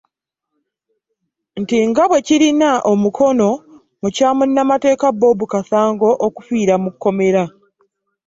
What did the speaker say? Nti nga bwe kirina omukono mu kya munnamateeka Bob Kasango okufiira mu kkomera